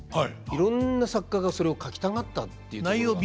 いろんな作家がそれを書きたがったっていうところが。